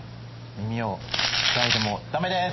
耳を塞いでもだめです！